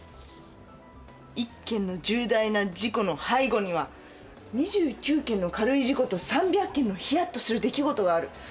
１件の重大な事故の背後には２９件の軽い事故と３００件のヒヤッとする出来事がある。